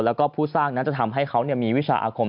และผู้สร้างจะทำให้เขามีวิชาอาคม